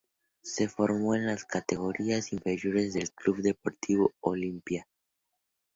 Se formó en las categorías inferiores del Club Deportivo Olimpia.